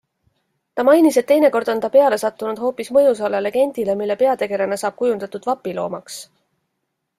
Ta mainis, et teinekord on ta peale sattunud hoopis mõjusale legendile, mille peategelane saab kujundatud vapiloomaks.